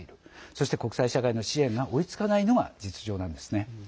そして国際社会の支援が追いつかないのが実情なんですね。